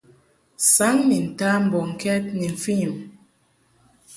Saŋ ni nta mbɔŋkɛd ni mfɨnyum.